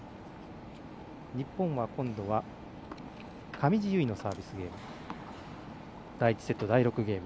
日本は今度は上地結衣のサービスゲーム。